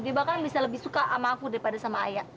dia bahkan bisa lebih suka sama aku daripada sama ayah